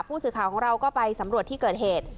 ผู้สื่อข่าวของเราก็ไปสำรวจที่เกิดเหตุ